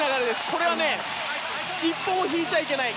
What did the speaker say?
これは一歩も引いちゃいけない。